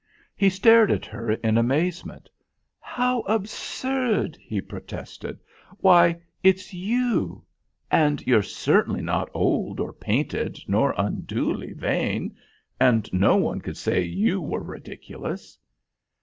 He stared at her in amazement. "How absurd!" he protested. "Why, it's you; and you're certainly not old or painted nor unduly vain, and no one could say you were ridiculous."